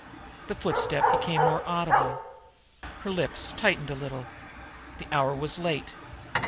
The footstep became more audible. Her lips tightened a little. The hour was late.